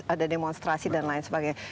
ada demonstrasi dan lain sebagainya